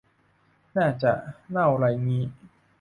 น่าจะ เน่าไรงี้